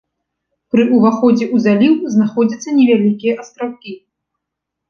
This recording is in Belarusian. Пры ўваходзе ў заліў знаходзяцца невялікія астраўкі.